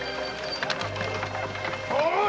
おい！